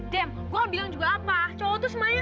demp gue bilang juga apa cowok semuanya